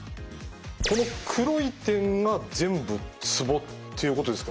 この黒い点が全部ツボっていうことですか？